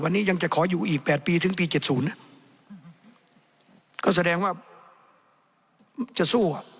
วันนี้ยังจะขออยู่อีก๘ปีถึงปีเจ็ดศูนย์ก็แสดงว่าจะสู้อ่ะ